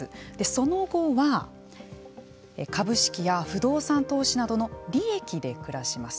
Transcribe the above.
その後は株式や不動産投資などの利益で暮らします。